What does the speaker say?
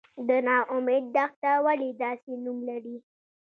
د نا امید دښته ولې داسې نوم لري؟